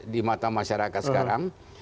di mata masyarakat sekarang